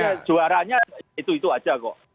karena juaranya itu itu saja kok